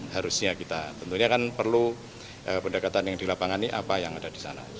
jadi kita tentunya kan perlu pendekatan yang di lapangan ini apa yang ada di sana